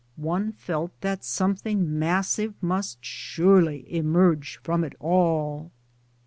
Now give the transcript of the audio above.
One felt that something massive must surely emerge from it all.